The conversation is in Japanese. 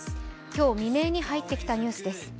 今日未明に入ってきたニュースです。